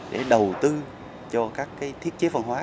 để đầu tư cho các thiết chế văn hóa